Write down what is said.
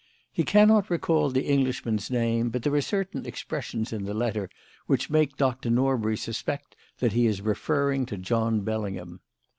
He cannot recall the Englishman's name, but there are certain expressions in the letter which make Dr. Norbury suspect that he is referring to John Bellingham.